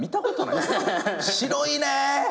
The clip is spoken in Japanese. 白いね！